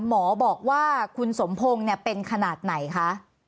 หมอบอกว่าคุณสมพงศ์เป็นขนาดไหนคะ